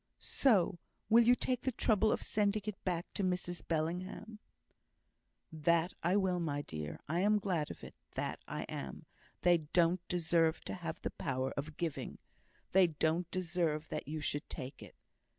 "So, will you take the trouble of sending it back to Mrs Bellingham?" "That I will, my dear. I am glad of it, that I am! They don't deserve to have the power of giving: they don't deserve that you should take it."